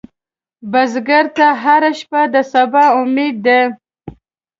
بزګر ته هره شپه د سبا امید ده